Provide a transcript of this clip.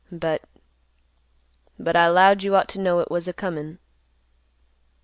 But—but I 'lowed you ought to know it was a comin'."